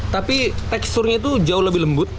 tapi teksturnya itu jauh lebih lembut